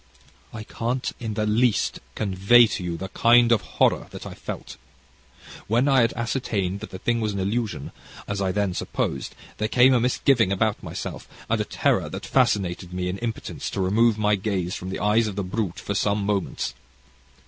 "I can't, in the least, convey to you the kind of horror that I felt. When I had ascertained that the thing was an illusion, as I then supposed, there came a misgiving about myself and a terror that fascinated me in impotence to remove my gaze from the eyes of the brute for some moments.